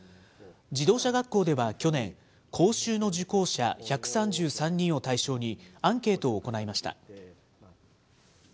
自動車学校では去年、講習の受講者１３３人を対象にアンケートを行いました。